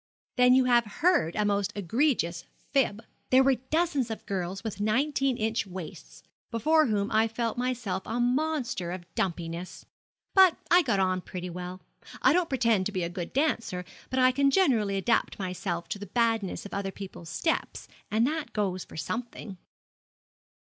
'Then you have heard a most egregious fib. There were dozens of girls with nineteen inch waists, before whom I felt myself a monster of dumpiness. But I got on pretty well. I don't pretend to be a good dancer, but I can generally adapt myself to the badness of other people's steps, and that goes for something.'